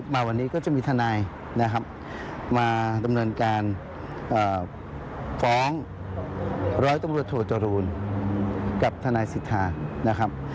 มาวันนี้ก็จะมีทนายนะครับมาดำเนินการฟ้องร้อยตำรวจโทจรูลกับทนายสิทธานะครับ